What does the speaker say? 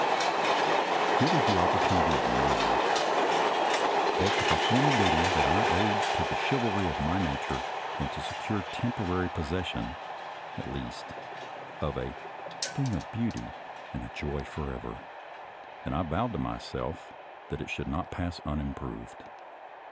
Here was the opportunity of my life, both to per form a duty that I owed to the chivalry of my nature and to secure temporary possession, at least, of a " thing of beauty and a joy forever," and I vowed to myself that it should not pass unimproved.